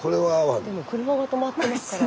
スタジオでも車が止まってますから。